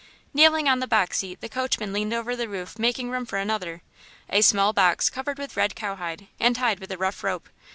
Kneeling on the box seat, the coachman leaned over the roof making room for another a small box covered with red cowhide and tied with a rough rope.